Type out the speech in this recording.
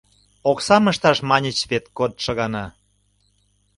Оксам ышташ маньыч вет кодшо гана!..